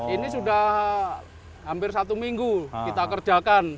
ini sudah hampir satu minggu kita kerjakan